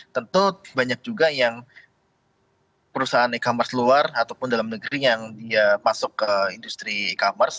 tentu banyak juga yang perusahaan e commerce luar ataupun dalam negeri yang dia masuk ke industri e commerce